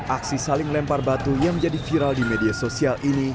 aksi saling lempar batu yang menjadi viral di media sosial ini